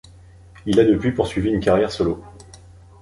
Il a depuis poursuivi une carrière solo.